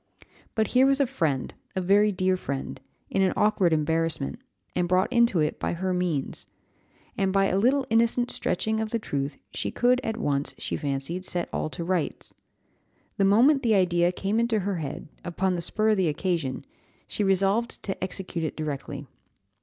But here was a friend, a very dear friend, in an awkward embarrassment, and brought into it by her means; and by a little innocent stretching of the truth she could at once, she fancied, set all to rights. The moment the idea came into her head, upon the spur of the occasion, she resolved to execute it directly.